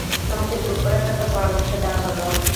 তোমাকে চুপ করে থাকার পরামর্শ দেয়া হলো।